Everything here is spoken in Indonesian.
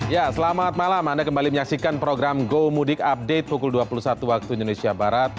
ya selamat malam anda kembali menyaksikan program go mudik update pukul dua puluh satu waktu indonesia barat